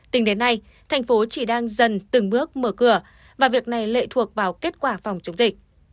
tính đến nay thành phố chỉ đang dần từng bước mở cửa và việc này lệ thuộc vào kết quả phòng chống dịch